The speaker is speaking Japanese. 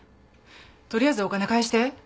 取りあえずお金返して。